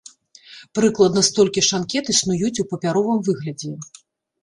Прыкладна столькі ж анкет існуюць у папяровым выглядзе.